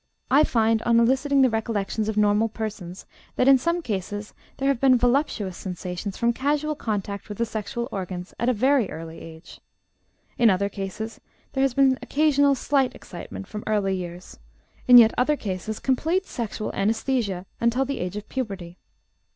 I find, on eliciting the recollections of normal persons, that in some cases there have been voluptuous sensations from casual contact with the sexual organs at a very early age; in other cases there has been occasional slight excitement from early years; in yet other cases complete sexual anæsthesia until the age of puberty.